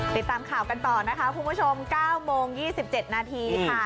ติดตามข่าวกันต่อนะคะคุณผู้ชม๙โมง๒๗นาทีค่ะ